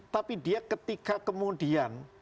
tapi dia ketika kemudian